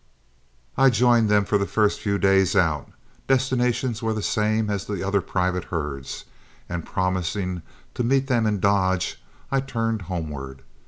I joined them for the first few days out, destinations were the same as the other private herds, and promising to meet them in Dodge, I turned homeward.